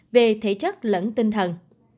về thể chất lẫn tinh thần